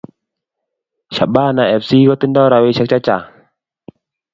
Shabana fc kotindo rapishek che chang